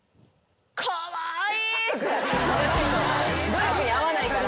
努力に合わないから。